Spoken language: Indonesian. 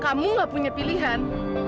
kamu gak punya pilihan